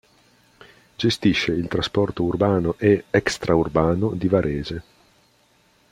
Gestisce il trasporto urbano e extraurbano di Varese.